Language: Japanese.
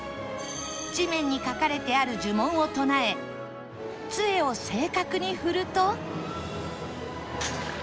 地面に描かれてある呪文を唱え杖を正確に振ると